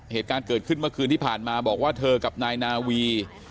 เหตุการณ์เกิดขึ้นเมื่อคืนที่ผ่านมาบอกว่าเธอกับนายนาวี